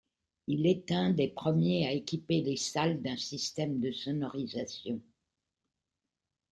Il est un des premiers à équiper les salles d'un système de sonorisation.